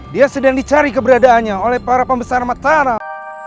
dia sedang dicari keberadaannya oleh para pembesar mataram